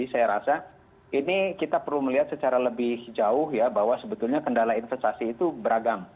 saya rasa ini kita perlu melihat secara lebih jauh ya bahwa sebetulnya kendala investasi itu beragam